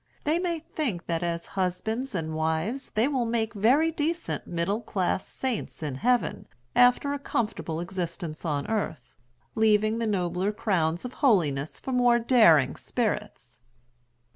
They may think that as husbands and wives they will make very decent middle class saints in heaven, after a comfortable existence on earth, leaving the nobler crowns of holiness for more daring spirits.